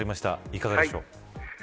いかがでしょう。